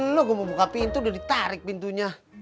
lo gue mau buka pintu udah ditarik pintunya